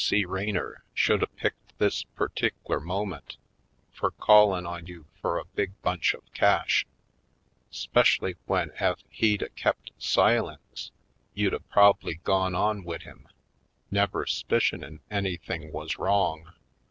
C. Raynor should a picked this per tic'lar moment fur callin' on you fur a big bunch of cash, 'specially w'en ef he'd a kept silence you'd a prob'ly gone on wid him, never 'spicionin' anything wuz wrong?"